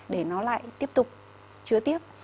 để nó lại tiếp tục chứa tiếp